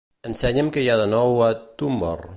Ensenya'm què hi ha de nou a Tumblr.